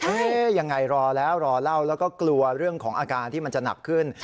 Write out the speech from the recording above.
ยังไงรอแล้วรอเล่าแล้วก็กลัวเรื่องของอาการที่มันจะหนักขึ้น